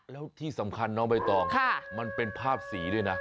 แล้วที่สำคัญน้องใบตองมันเป็นภาพสีด้วยนะ